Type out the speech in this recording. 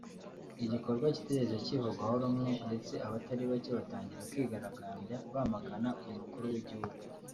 igikorwa kitigeze kivugwaho rumwe ndetse abatari bake batangira kwigaragarambya bamagana uyu Mukuru w’Igihugu